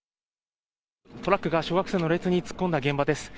トラックが小学生の列に突っ込んだ現場です。